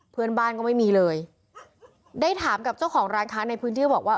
เพื่อนบ้านก็ไม่มีเลยได้ถามกับเจ้าของร้านค้าในพื้นที่ก็บอกว่า